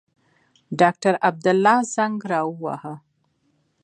ډاکټر عبدالله زنګ را ووهه.